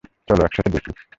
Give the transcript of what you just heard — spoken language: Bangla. চলো একসাথে লিখি।